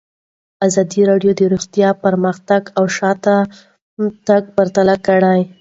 ازادي راډیو د روغتیا پرمختګ او شاتګ پرتله کړی.